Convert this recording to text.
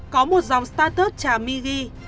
có một dòng status cha my ghi